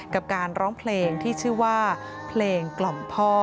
กับการร้องเพลงที่ชื่อว่าเพลงกล่อมพ่อ